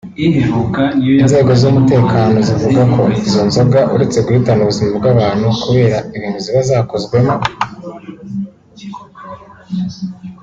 Inzego z’umutekano zivuga ko izo nzoga uretse guhitana ubuzima bw’abantu kubera ibintu ziba zakozwemo